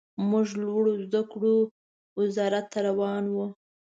موږ لوړو زده کړو وزارت ته روان وو.